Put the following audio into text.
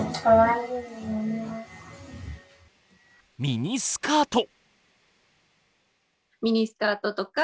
ミニスカート。